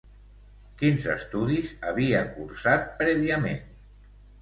Quins estudis havia cursat prèviament?